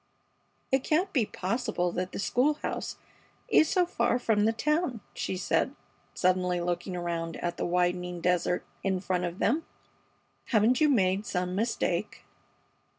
"It can't be possible that the school house is so far from the town," she said, suddenly looking around at the widening desert in front of them. "Haven't you made some mistake?"